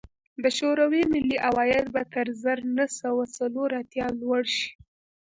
د شوروي ملي عواید به تر زر نه سوه څلور اتیا لوړ شي